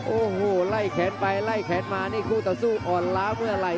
โอ้โหไล่แขนไปไล่แขนมานี่คู่ต่อสู้อ่อนล้าเมื่อไหร่